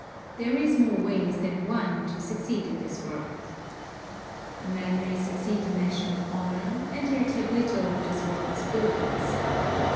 There is more ways than one to succeed in this world. A man may succeed in National honor, and yet have little of this world's goods.